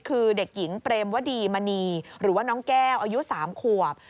คือเด็กหญิงเปรมวดีมณีหรือว่าน้องแก้วอายุ๓ขวบ